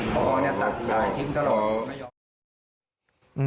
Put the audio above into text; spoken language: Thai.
ผอตัดสายทิ้งตลอด